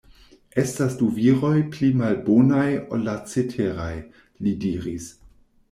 Estas du viroj pli malbonaj ol la ceteraj” li diris.